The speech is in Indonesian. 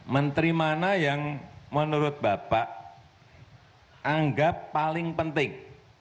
menteri mana yang menurut bapak anggap paling penting